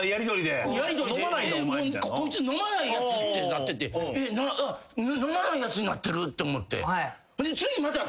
こいつ飲まないやつってなってて飲まないやつになってるって思って次また来たから。